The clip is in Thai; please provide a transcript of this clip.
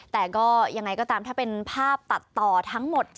แต่ก็ยังไงก็ตามถ้าเป็นภาพตัดต่อทั้งหมด